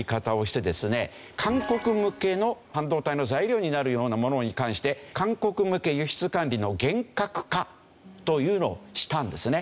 韓国向けの半導体の材料になるようなものに関して韓国向け輸出管理の厳格化というのをしたんですね。